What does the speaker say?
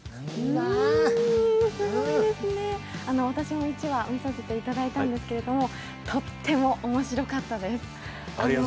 私も１話見させていただいたんですけど、とっても面白かったです。